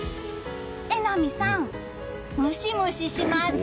榎並さん、ムシムシします。